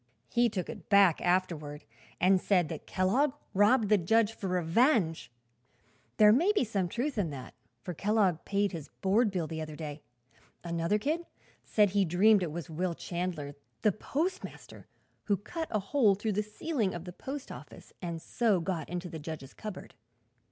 "He took it back, afterward, and said that Kellogg robbed the judge for revenge. There may be some truth in that, for Kellogg paid his board bill the other day. Another kid said he dreamed it was Will Chandler, the postmaster, who cut a hole through the ceiling of the post office and so got into the judge's cupboard.